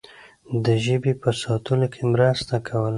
د ژبې په ساتلو کې مرسته کوله.